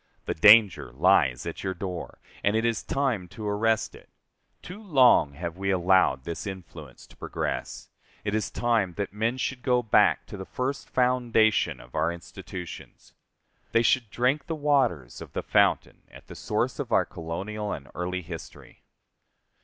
The danger lies at your door, and it is time to arrest it. Too long have we allowed this influence to progress. It is time that men should go back to the first foundation of our institutions. They should drink the waters of the fountain at the source of our colonial and early history.